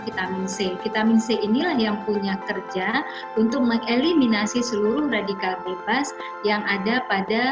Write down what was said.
vitamin c vitamin c inilah yang punya kerja untuk mengeliminasi seluruh radikal bebas yang ada pada